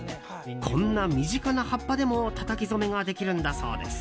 こんな身近な葉っぱでもたたき染めができるんだそうです。